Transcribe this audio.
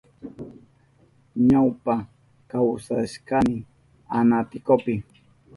Ñawpa kawsashkani Anaticopi.